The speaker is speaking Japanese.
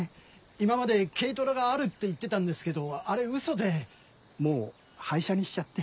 今まで軽トラがあるって言ってたんですけどあれウソでもう廃車にしちゃって。